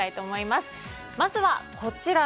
まずは、こちら。